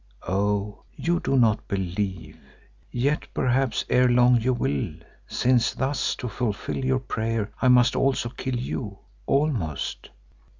Oh! you do not believe, yet perhaps ere long you will, since thus to fulfil your prayer I must also kill you—almost.